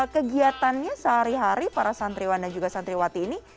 kegiatannya sehari hari para santriwan dan juga santriwati ini